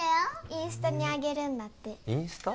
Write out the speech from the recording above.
インスタにあげるんだってインスタ？